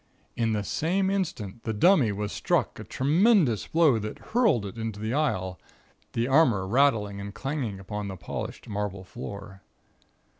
In the same instant, the dummy was struck a tremendous blow that hurled it into the aisle, the armor rattling and clanging upon the polished marble floor.